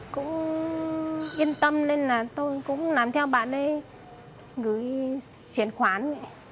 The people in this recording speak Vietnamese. cũng yên tâm nên là tôi cũng làm theo bạn ấy gửi chuyển khoản